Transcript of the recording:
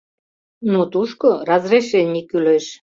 Но тушко разрешений кӱлеш.